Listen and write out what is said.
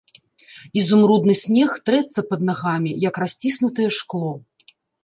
Ізумрудны снег трэцца пад нагамі, як расціснутае шкло.